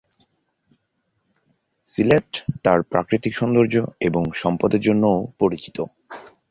সিলেট তার প্রাকৃতিক সৌন্দর্য এবং সম্পদের জন্যও পরিচিত।